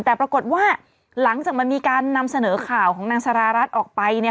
แต่ปรากฏว่าหลังจากมันมีการนำเสนอข่าวของนางสารารัฐออกไปเนี่ย